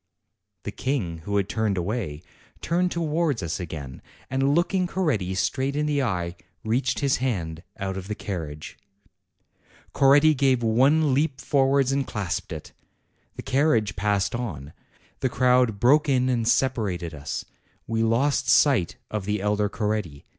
The King, who had turned away, turned towards 210 APRIL us again, and looking Coretti straight in the eye, reached his hand out of the carriage. Coretti gave one leap forwards and clasped it. The carriage passed on; the crowd broke in and separated us; we lost sight of the elder Coretti.